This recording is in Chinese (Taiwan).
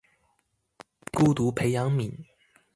孤獨培養皿